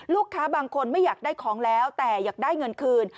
บางคนไม่อยากได้ของแล้วแต่อยากได้เงินคืน